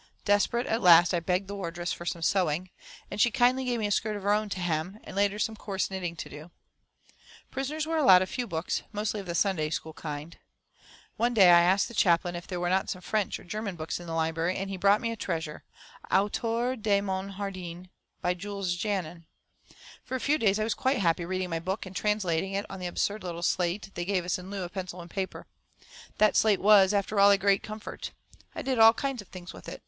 Desperate, at last I begged the wardress for some sewing, and she kindly gave me a skirt of her own to hem, and later some coarse knitting to do. Prisoners were allowed a few books, mostly of the "Sunday school" kind. One day I asked the chaplain if there were not some French or German books in the library, and he brought me a treasure, "Autour de mon Jardin," by Jules Janin. For a few days I was quite happy, reading my book and translating it on the absurd little slate they gave us in lieu of paper and pencil. That slate was, after all, a great comfort. I did all kinds of things with it.